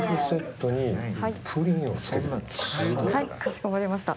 はいかしこまりました。